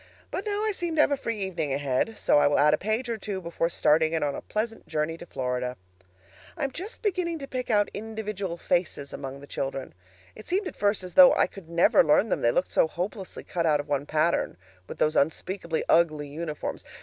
But now I seem to have a free evening ahead, so I will add a page or two more before starting it on a pleasant journey to Florida. I am just beginning to pick out individual faces among the children. It seemed at first as though I could never learn them, they looked so hopelessly cut out of one pattern, with those unspeakably ugly uniforms.